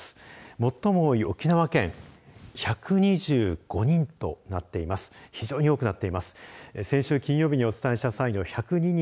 最も多い沖縄県１２５人となっています。